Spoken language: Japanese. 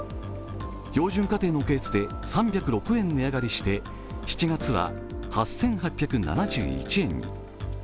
標準家庭のケースで３０６円値上がりして７月は８８７１円に。